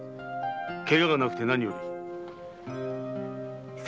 ケガがなくて何よりです。